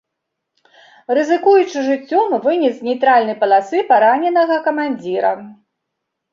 Рызыкуючы жыццём, вынес з нейтральнай паласы параненага камандзіра.